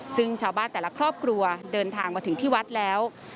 ซึ่งชาวบ้านแต่ละครอบครัวเดินทางมาถึงที่วัดแล้ว